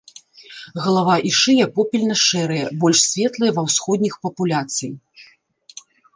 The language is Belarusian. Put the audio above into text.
Галава і шыя попельна-шэрыя, больш светлыя ва ўсходніх папуляцый.